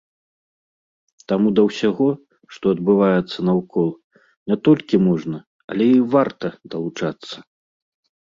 Таму да ўсяго, што адбываецца наўкол, не толькі можна, але і варта далучацца.